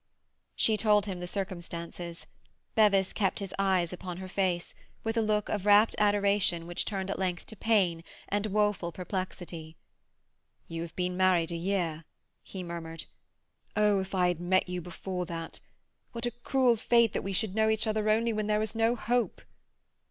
She told him the circumstances. Bevis kept his eyes upon her face, with a look of rapt adoration which turned at length to pain and woeful perplexity. "You have been married a year," he murmured. "Oh, if I had met you before that! What a cruel fate that we should know each other only when there was no hope!"